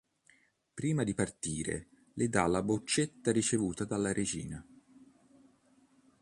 Prima di partire le dà la boccetta ricevuta dalla Regina.